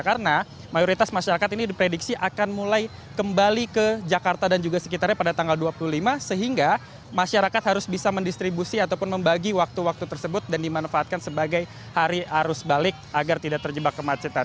karena mayoritas masyarakat ini diprediksi akan mulai kembali ke jakarta dan juga sekitarnya pada tanggal dua puluh lima sehingga masyarakat harus bisa mendistribusi ataupun membagi waktu waktu tersebut dan dimanfaatkan sebagai hari arus balik agar tidak terjebak kemacetan